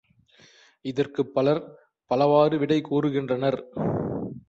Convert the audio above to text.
இதற்குப் பலர் பலவாறு விடைகூறுகின்றனர்.